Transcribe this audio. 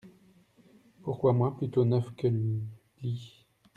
Pourquoi moi plutôt neuf que li ?…